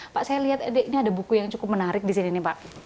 pak saya lihat ini ada buku yang cukup menarik di sini nih pak